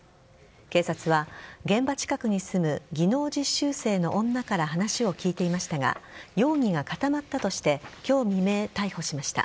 警察は現場近くに住む技能実習生の女から話を聞いていましたが容疑が固まったとして今日未明、逮捕しました。